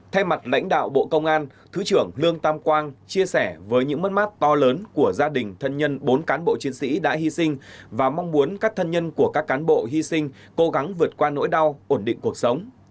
thay mặt lãnh đạo bộ công an thứ trưởng lương tam quang chia sẻ với những mất mát to lớn của gia đình thân nhân bốn cán bộ chiến sĩ đã hy sinh và mong muốn các thân nhân của các cán bộ hy sinh cố gắng vượt qua nỗi đau ổn định cuộc sống